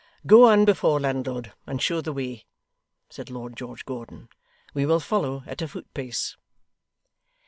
'Go on before, landlord, and show the way,' said Lord George Gordon; 'we will follow at a footpace.